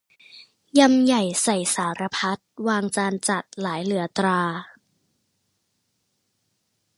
ยำใหญ่ใส่สารพัด วางจานจัดหลายเหลือตรา